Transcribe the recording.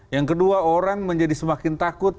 yang kedua orang menjadi semakin takut